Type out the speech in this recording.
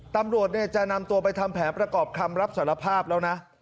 ตำรวจจะนำตัวไปทำแผนประกอบคำรับสารภาพแล้วนะ